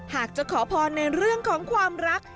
หากจะขอพรในเรื่องของความรัก